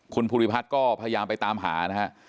คุณภูริพัฒน์ก็พยายามไปตามหานะฮะ